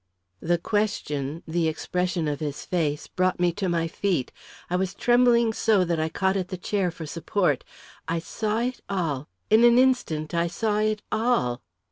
The question, the expression of his face, brought me to my feet. I was trembling so that I caught at the chair for support. I saw it all. In an instant, I saw it all!